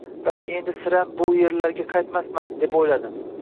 Balki endi sirayam bu yerlarga qaytmasman, deb o‘yladi.